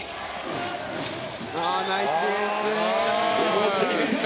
ナイスディフェンス。